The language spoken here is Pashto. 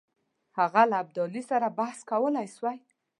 هغه له ابدالي سره بحث کولای سوای.